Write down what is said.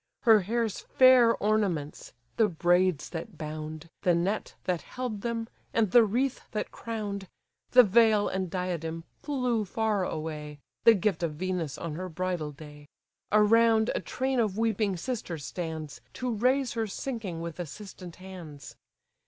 Her hair's fair ornaments, the braids that bound, The net that held them, and the wreath that crown'd, The veil and diadem flew far away (The gift of Venus on her bridal day). Around a train of weeping sisters stands, To raise her sinking with assistant hands.